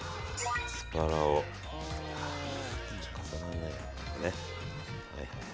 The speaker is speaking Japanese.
アスパラを重ならないように。